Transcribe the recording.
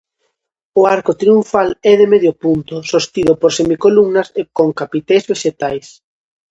O arco triunfal é de medio punto, sostido por semicolumnas con capiteis vexetais.